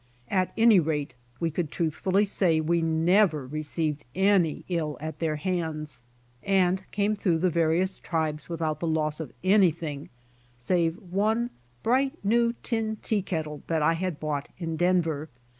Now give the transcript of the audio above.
At any rate we could truthfully say we never received any ill at their hands, and came through the various tribes without the loss of any thing save one bright new tin tea kettle that I had bought in Denver.